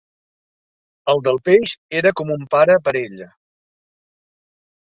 El del peix era com un pare per a ella.